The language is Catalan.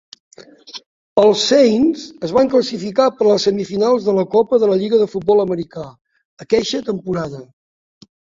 Els Saints es van classificar per a les semifinals de la Copa de la lliga de futbol americà aqueixa temporada.